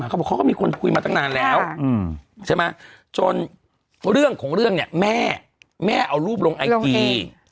มาเขาก็บอกแล้วเรื่องของเรื่องเนี้ยแม่แม่เอารูปลงเอกีย์